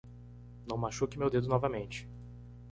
Não machuque meu dedo novamente.